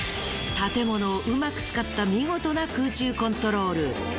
建物をうまく使った見事な空中コントロール。